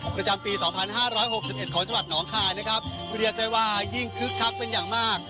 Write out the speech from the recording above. ประจำปี๒๕๖๑ของจังหวัดหนองคายนะครับเรียกได้ว่ายิ่งคึกคักเป็นอย่างมาก